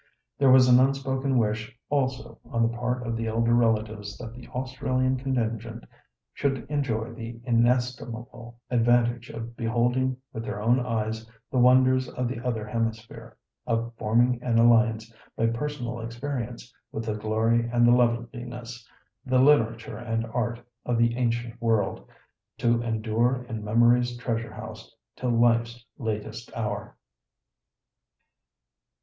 There was an unspoken wish also on the part of the elder relatives that the Australian contingent should enjoy the inestimable advantage of beholding with their own eyes the wonders of the other hemisphere, of forming an alliance by personal experience with the glory and the loveliness, the literature and art of the ancient world, to endure in memory's treasure house till life's latest hour.